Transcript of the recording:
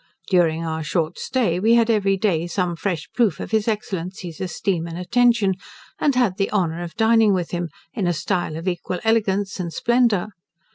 During our short stay we had every day some fresh proof of his Excellency's esteem and attention, and had the honour of dining with him, in a style of equal elegance and splendor.